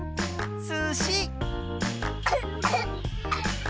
すし！